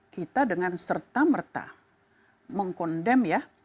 kita dengan serta merta mengkondem ya